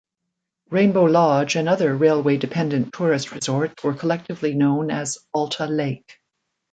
Rainbow Lodge and other railway-dependent tourist resorts were collectively known as Alta Lake.